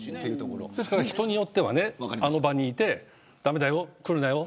ですから人によってはあの場にいて駄目だよ来るなよ